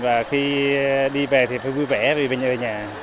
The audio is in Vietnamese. và khi đi về thì phải vui vẻ vì bên nhà